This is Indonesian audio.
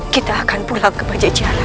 kita akan pulang ke pajajaran